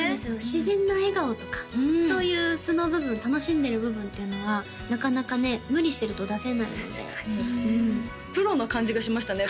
自然な笑顔とかそういう素の部分楽しんでる部分っていうのはなかなかね無理してると出せないのでうんプロな感じがしましたね